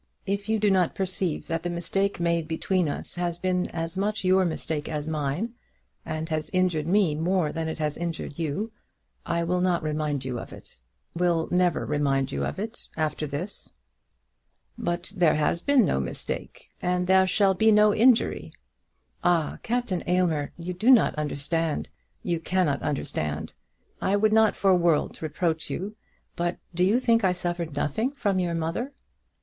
If you do not perceive that the mistake made between us has been as much your mistake as mine, and has injured me more than it has injured you, I will not remind you of it, will never remind you of it after this." "But there has been no mistake, and there shall be no injury." "Ah, Captain Aylmer! you do not understand; you cannot understand. I would not for worlds reproach you; but do you think I suffered nothing from your mother?"